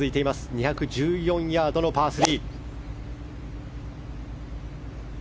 ２１４ヤードのパー３。